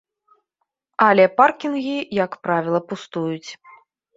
Але паркінгі, як правіла, пустуюць.